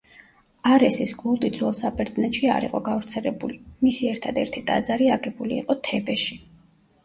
არესის კულტი ძველ საბერძნეთში არ იყო გავრცელებული, მისი ერთადერთი ტაძარი აგებული იყო თებეში.